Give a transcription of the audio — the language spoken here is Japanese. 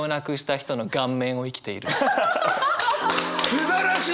すばらしい！